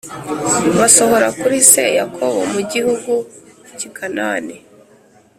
Basohora kuri se Yakobo mu gihugu cy i Kanani